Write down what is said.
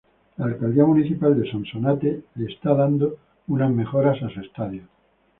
La Alcaldía Municipal de Sonsonate le está dando unas mejoras a su estadio.